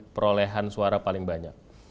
perolehan suara paling banyak